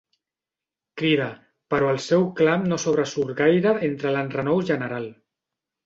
Crida, però el seu clam no sobresurt gaire entre l'enrenou general.